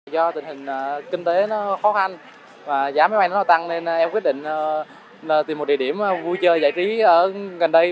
do tình hình kinh tế nó khó khăn và giá máy bay nó tăng nên em quyết định tìm một địa điểm vui chơi giải trí gần đây